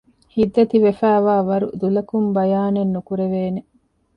ހިތްދަތި ވެފައިވާވަރު ދުލަކުން ބަޔާނެއް ނުކުރެވޭނެ